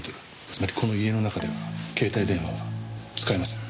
つまりこの家の中では携帯電話は使えません。